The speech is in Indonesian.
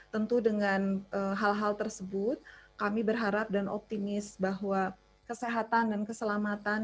tentu dengan hal hal tersebut kami berharap dan optimis bahwa kesehatan dan keselamatan